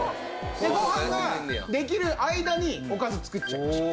でご飯ができる間におかず作っちゃいましょう。